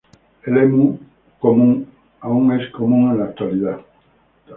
El emú común, aún es común en la actualidad.